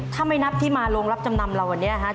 ถ้าไม่นับที่มาโรงรับจำนำเราวันนี้นะครับ